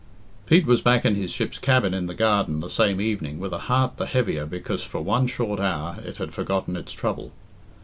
Pete was back in his ship's cabin in the garden the same evening with a heart the heavier because for one short hour it had forgotten its trouble.